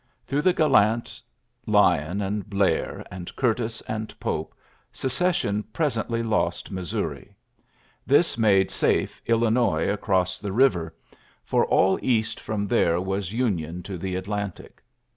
Through the gallant Lyon and Blair and Curtis and Pope, Secession presently lost Missouri This made safe Illinois across the river ; for "Uiaiy ^^ou 62 ULYSSES S. GEANT all east from there was Union fc^ Atlantic.